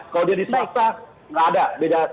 kalau dia disaksa gak ada bedanya gitu